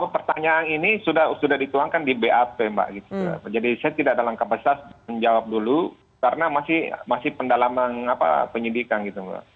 pertanyaan ini sudah dituangkan di bap mbak jadi saya tidak dalam kapasitas menjawab dulu karena masih pendalaman penyidikan gitu mbak